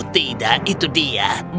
tidak itu dia